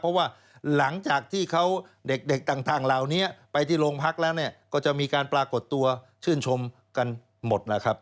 เพราะว่าหลังจากที่เขาเด็กต่างเหล่านี้ไปที่โรงพักแล้วก็จะมีการปรากฏตัวชื่นชมกันหมดแล้วครับ